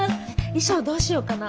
衣装どうしよっかなぁ。